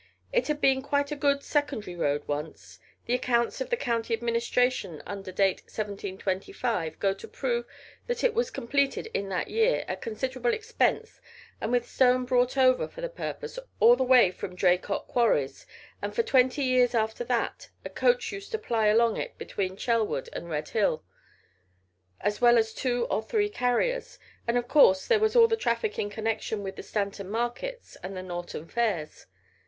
It had been quite a good secondary road once. The accounts of the county administration under date 1725 go to prove that it was completed in that year at considerable expense and with stone brought over for the purpose all the way from Draycott quarries, and for twenty years after that a coach used to ply along it between Chelwood and Redhill as well as two or three carriers, and of course there was all the traffic in connexion with the Stanton markets and the Norton Fairs.